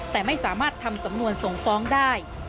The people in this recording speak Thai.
แต่ไม่สามารถทำสำนวนส่งฟ้องได้